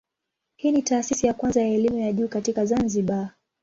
Hii ni taasisi ya kwanza ya elimu ya juu katika Zanzibar.